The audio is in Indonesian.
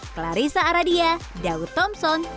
clarissa aradia daud thompson